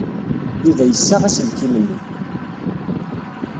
Yuba yessaɣ aselkim-nni.